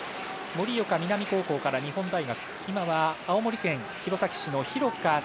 盛岡南高校から日本大学今は青森県弘前市の弘果